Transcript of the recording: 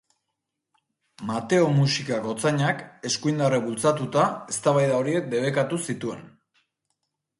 Mateo Muxika gotzainak, eskuindarrek bultzatuta, eztabaida horiek debekatu zituen.